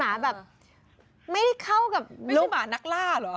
แบบไม่ได้เข้ากับลูกหมานักล่าเหรอ